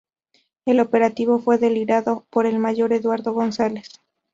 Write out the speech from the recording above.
El operativo fue liderado por el mayor Eduardo González.